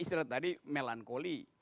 istilah tadi melankoli